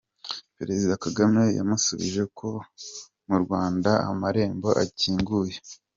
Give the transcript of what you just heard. Perezida Kagame yamusubije ko mu Rwanda amarembo akinguye.